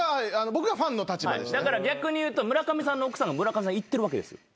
だから逆に言うと村上さんの奥さんが村上さんいってるわけですよ。